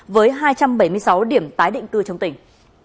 với hai trăm bảy mươi sáu điểm tái định cư trong tỉnh